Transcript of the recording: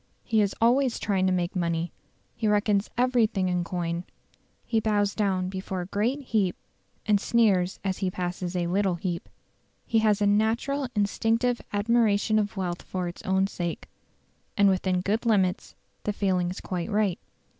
He is always trying to make money; he reckons everything in coin; he bows down before a great heap and sneers as he passes a little heap. He has a "natural instinctive admiration of wealth for its own sake". And within good limits the feeling is quite right.